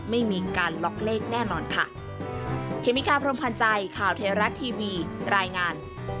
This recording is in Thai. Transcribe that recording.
ไม่มีการล็อกเลขแน่นอนค่ะ